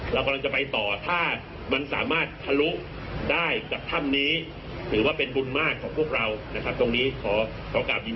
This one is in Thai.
เรากำลังจะไปต่อถ้ามันสามารถทะลุได้กับถ้ำนี้ถือว่าเป็นบุญมากของพวกเรานะครับ